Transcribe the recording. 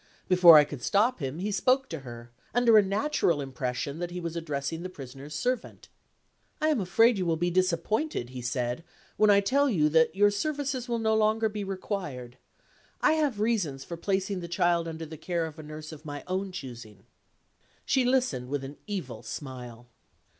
Before I could stop him, he spoke to her, under a natural impression that he was addressing the Prisoner's servant. "I am afraid you will be disappointed," he said, "when I tell you that your services will no longer be required. I have reasons for placing the child under the care of a nurse of my own choosing." She listened with an evil smile.